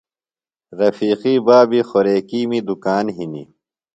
رفیقی بابی خوریکِیمی دُکان ہِنیۡ۔